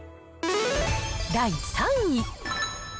第３位。